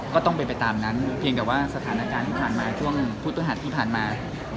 ก็ต้องไปตามนั้นเพียงแต่สถานการณ์พุทธฮัตที่ผ่านมา